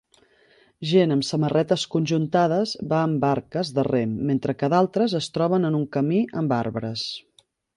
Gent amb samarretes conjuntades va amb barques de rem mentre que d'altres es troben en un camí amb arbres.